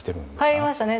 入りましたね。